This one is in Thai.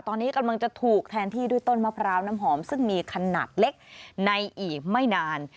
ตอนนี้กำลังจะถูกแทนที่ด้วยต้นมะพร้าวน้ำหอมซึ่งมีขนาดเล็กในอีกไม่นาน